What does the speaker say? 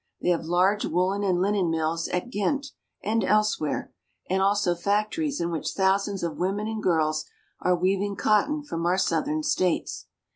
They have large woolen and linen mills at Ghent and elsewhere, and also factories in which thousands of women and girls are weaving cotton from our southern States.